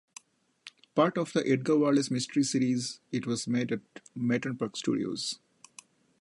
Part of the "Edgar Wallace Mysteries" series it was made at Merton Park Studios.